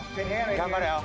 頑張れよ！